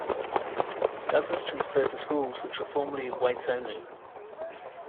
Douglas transferred to schools which were formerly whites-only.